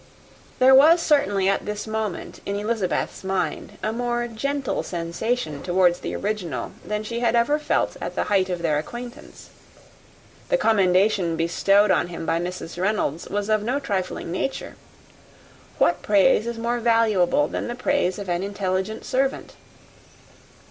There was certainly at this moment, in Elizabeth's mind, a more gentle sensation towards the original than she had ever felt in the height of their acquaintance. The commendation bestowed on him by Mrs. Reynolds was of no trifling nature. What praise is more valuable than the praise of an intelligent servant?